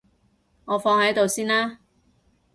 我放喺度先啦